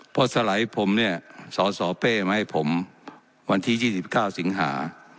เพราะสไลด์ผมเนี่ยสสเป้มาให้ผมวันที่๒๙สิงหา